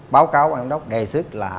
báo cáo an đốc đề xuất là